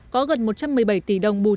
có gần một trăm một mươi bảy tỷ đồng bù